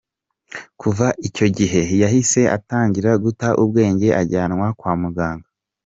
Kuva icyo gihe yahise atangira guta ubwenge ajyanwa kwa muganga.